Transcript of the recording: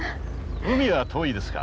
海は遠いですか？